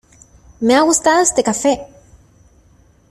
¡Me ha gustado este café!